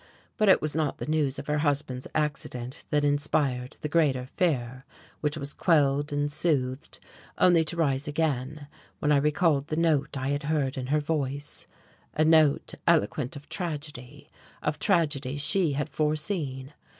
But it was not the news of her husband's accident that inspired the greater fear, which was quelled and soothed only to rise again when I recalled the note I had heard in her voice, a note eloquent of tragedy of tragedy she had foreseen.